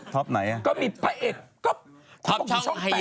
ถ่ายกับอีกคนนึงเลย